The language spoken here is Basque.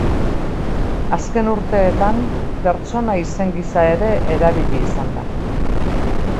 Azken urteetan pertsona izen gisa ere erabili izan da.